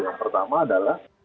yang pertama adalah